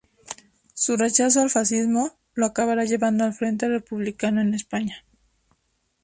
Su rechazo al fascismo lo acabará llevando al frente republicano en España.